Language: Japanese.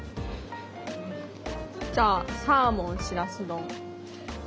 じゃあサーモンしらす丼。